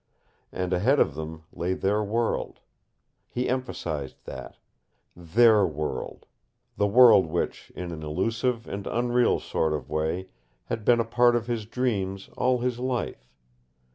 And ahead of them lay their world. He emphasized that. THEIR world the world which, in an illusive and unreal sort of way, had been a part of his dreams all his life.